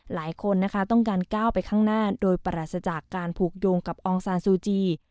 หลายคนนะคะต้องการก้าวไปข้างหน้าโดยปราศจากการผูกโยงกับอองซานซูจี